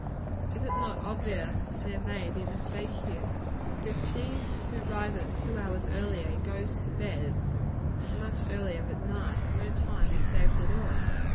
Is it not obvious that there may be mistake here? For if she who rises two hours earlier, goes to bed as much earlier at right, no time is saved at all.